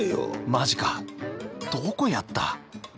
マジかどこやった？